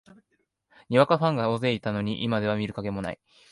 にわかファンが大勢いたのに、今では見る影もない